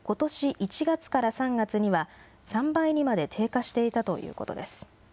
１月から３月には、３倍にまで低下していたということです。